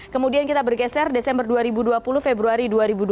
kemudian kita bergeser desember dua ribu dua puluh februari dua ribu dua puluh